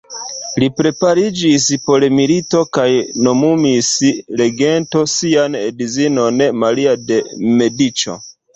Li prepariĝis por milito kaj nomumis regento sian edzinon, Maria de Mediĉo.